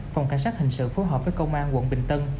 phòng cảnh sát hình sự phối hợp với công an quận bình tân